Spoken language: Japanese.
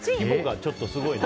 ちょっとすごいな。